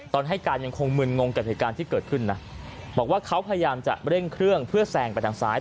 ตอนให้การยังคงมึนงงกับเหตุการณ์ที่เกิดขึ้นนะบอกว่าเขาพยายามจะเร่งเครื่องเพื่อแซงไปทางซ้าย